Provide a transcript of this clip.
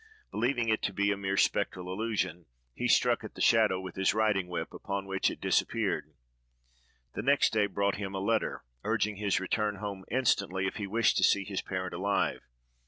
Believing it to be a mere spectral illusion, he struck at the shadow with his riding whip, upon which it disappeared. The next day brought him a letter, urging his return home instantly, if he wished to see his parent alive.